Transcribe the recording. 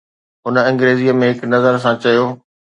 هن انگريزيءَ ۾ هڪ نظر سان چيو.